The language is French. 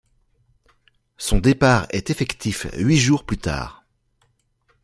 Son départ est effectif huit jours plus tard.